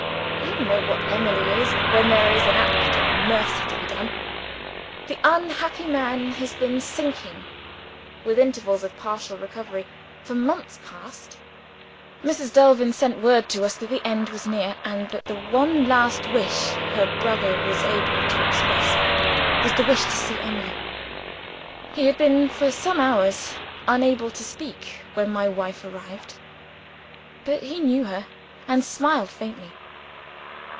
You know what Emily is, when there is an act of mercy to be done. That unhappy man has been sinking (with intervals of partial recovery) for months past. Mrs. Delvin sent word to us that the end was near, and that the one last wish her brother was able to express was the wish to see Emily. He had been for some hours unable to speak when my wife arrived. But he knew her, and smiled faintly.